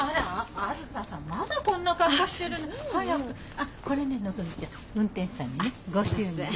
あっこれねのぞみちゃん運転手さんにねご祝儀よ。